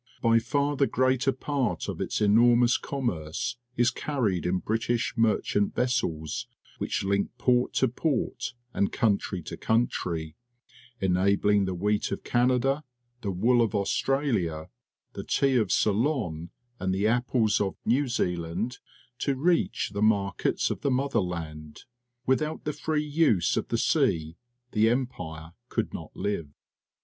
By far the greater part of its enormous commerce is carried in British merchant vessels, which link port to port and country to country, enabling the wheat of Canada, the wool of Australia, the tea of Ceylon, and the apples of New Zealand to reach the markets of the Motherland. Without the free use of the sea the Empire could not live.